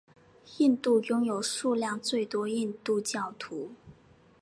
印度拥有数量最多印度教徒。